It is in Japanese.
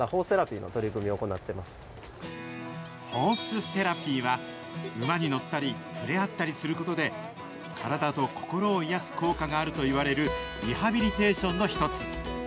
ホースセラピーは、馬に乗ったり、触れ合ったりすることで、体と心を癒やす効果があるといわれるリハビリテーションのひとつ。